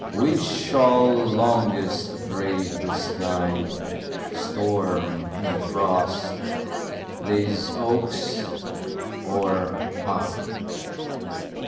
Which shall longest brave the sky, Storm and frost these oaks or I?